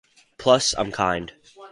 Plus I'm kind.